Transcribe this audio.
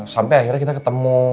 sampai akhirnya kita ketemu